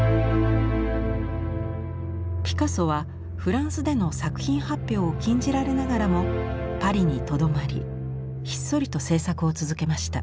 ピカソはフランスでの作品発表を禁じられながらもパリにとどまりひっそりと制作を続けました。